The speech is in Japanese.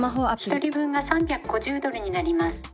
「１人分が３５０ドルになります」。